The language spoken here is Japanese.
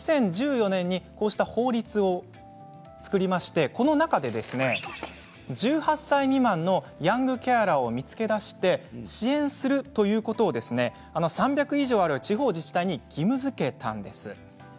２０１４年に法律を作りましてこの中で１８歳未満のヤングケアラーを見つけ出して支援するということを３００以上ある地方自治体に義務づけたんです。